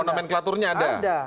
oh nomen klaturnya ada